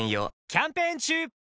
キャンペーン中！